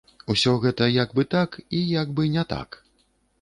Усё гэта як бы так і як бы не так.